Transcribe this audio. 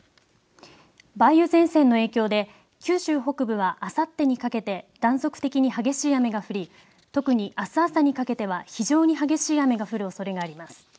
梅雨前線の影響で九州北部はあさってにかけて断続的に激しい雨が降り特にあす朝にかけては非常に激しい雨が降るおそれがあります。